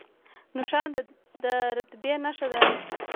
نښان د رتبې نښه ده